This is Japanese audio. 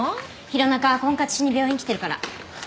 弘中は婚活しに病院来てるから。